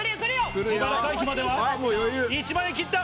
自腹回避までは１万円切った。